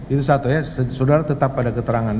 itu satu ya sudara tetap pada keterangan